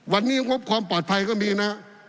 วันนี้งบความปลอดภัยก็มีนะ